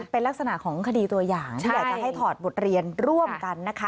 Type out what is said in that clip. เป็นลักษณะของคดีตัวอย่างที่อยากจะให้ถอดบทเรียนร่วมกันนะคะ